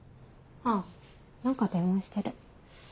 あぁ何か電話してる。